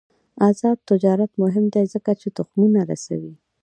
آزاد تجارت مهم دی ځکه چې تخمونه رسوي.